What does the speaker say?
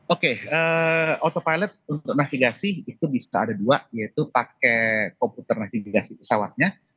oke autopilot untuk navigasi itu bisa ada dua yaitu pakai komputer navigasi pesawatnya